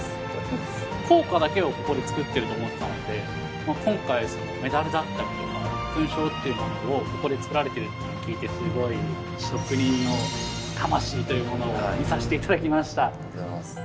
硬貨だけをここで造ってると思ってたので今回メダルだったりとか勲章というものをここで造られてるっていうのを聞いてすごい職人の魂というものを見させて頂きました。